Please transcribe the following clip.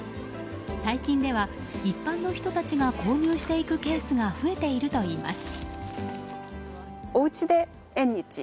最近では一般の人たちが購入していくケースが増えているといいます。